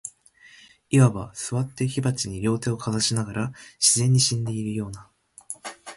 謂わば、坐って火鉢に両手をかざしながら、自然に死んでいるような、